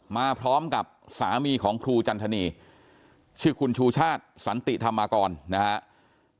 มาพร้อมกับสามีของครูจันทนีชื่อคุณชูชาติสันติธรรมกรนะครับ